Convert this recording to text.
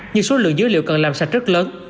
nhưng số lượng dữ liệu cần làm sạch rất lớn